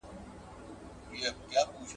د مشر د ټاکلو لپاره جرګې څومره وخت ونیو؟